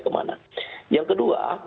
kemana yang kedua